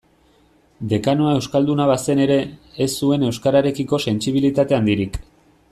Dekanoa euskalduna bazen ere, ez zuen euskararekiko sentsibilitate handirik.